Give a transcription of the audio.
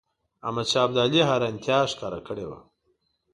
احمدشاه ابدالي حیرانیتا ښکاره کړې وه.